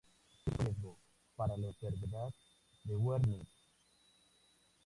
Es un factor de riesgo para la enfermedad de Wernicke.